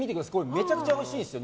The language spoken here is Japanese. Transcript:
めちゃくちゃおいしいんですよ。